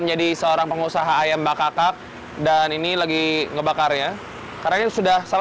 menjadi seorang pengusaha ayam bakak dan ini lagi ngebakarnya karena sudah salah